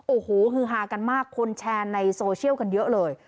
โอ้โหฮือฮากันมากคนแชร์ในโซเชียลกันเยอะเลย